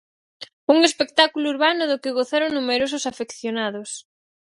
Un espectáculo urbano do que gozaron numerosos afeccionados.